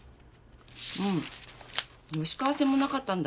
うん吉川線もなかったんだ。